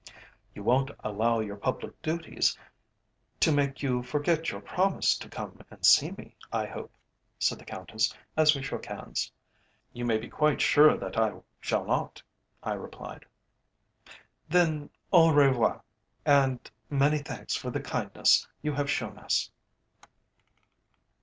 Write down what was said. "You won't allow your public duties to make you forget your promise to come and see me, I hope," said the Countess, as we shook hands. "You may be quite sure that I shall not," I replied. "Then, au revoir, and many thanks for the kindness you have shown us."